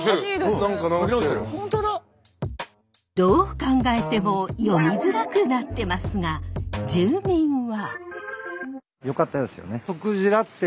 どう考えても読みづらくなってますが住民は？